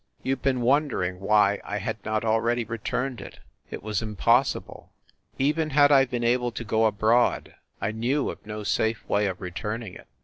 You ve been wondering why I had not already returned it? It was impos sible. Even had I been able to go abroad I knew of no safe way of returning it.